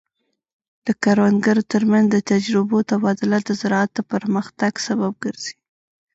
د کروندګرو ترمنځ د تجربو تبادله د زراعت د پرمختګ سبب ګرځي.